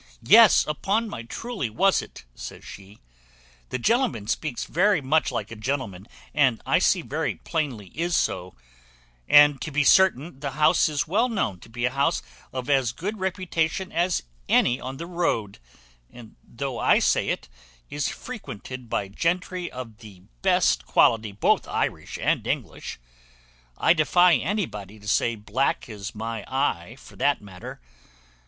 "Yes, upon my truly was it," says she: "the gentleman speaks very much like a gentleman, and I see very plainly is so; and to be certain the house is well known to be a house of as good reputation as any on the road, and though I say it, is frequented by gentry of the best quality, both Irish and English. I defy anybody to say black is my eye, for that matter.